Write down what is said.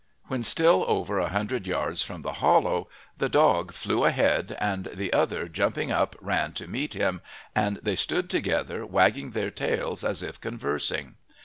When still over a hundred yards from the hollow the dog flew ahead, and the other jumping up ran to meet him, and they stood together, wagging their tails as if conversing.